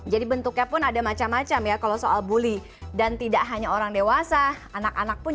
jadi bentuknya pun ada macam macam ya kalau soal bule dan tidak hanya orang dewasa anak anak pun